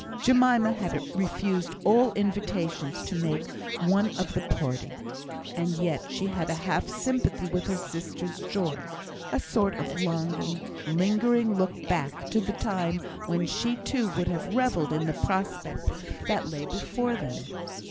Jemima had refused all invitations to make one of the party; and yet she had a half sympathy with her sisters' joy a sort of longing, lingering look back to the time when she too would have revelled in the prospect that lay before them.